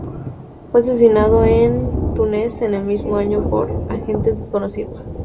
Fue asesinado en Túnez en el mismo año por agentes desconocidos.